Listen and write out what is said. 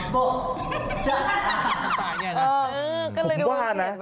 บอกฉัน